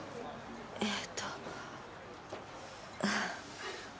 えーと。ああ。